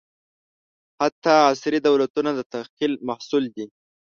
حتی عصري دولتونه د تخیل محصول دي.